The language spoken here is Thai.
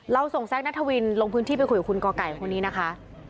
ส่งแซคนัทวินลงพื้นที่ไปคุยกับคุณก่อไก่คนนี้นะคะ